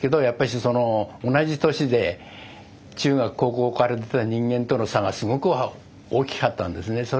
やっぱしその同じ年で中学高校からやってた人間との差がすごく大きかったんですね。